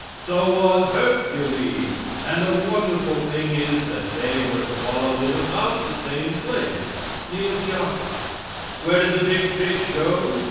So was Hercules, and a wonderful thing is that they were swallowed in about the same place, near Joppa. Where did the big fish go?